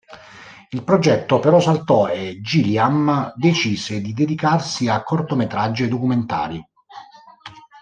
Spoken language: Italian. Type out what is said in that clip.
Il progetto però saltò e Gilliam decise di dedicarsi a cortometraggi e documentari.